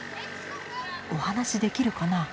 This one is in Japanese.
お話できるかな？